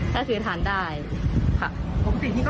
ถ้าซื้อทานได้ค่ะ